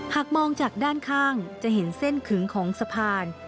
หากมองจากด้านข้างจะเห็นเส้นขึงของสะพาน